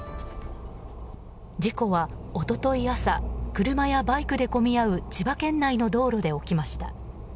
事故は一昨日朝車やバイクで混み合う千葉県内の道路で起きました。